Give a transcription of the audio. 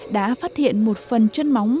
đã phát hiện một phần chân móng